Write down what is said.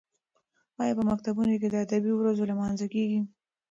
ایا په مکتبونو کې د ادبي ورځو لمانځنه کیږي؟